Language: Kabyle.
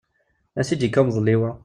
Ansi k-d-yekka umḍelliw-a?